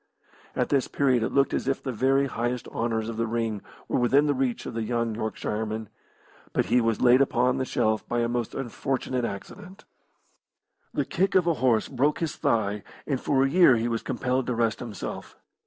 At this period it looked as if the very highest honours of the ring were within the reach of the young Yorkshireman, but he was laid upon the shelf by a most unfortunate accident. The kick of a horse broke his thigh, and for a year he was compelled to rest himself.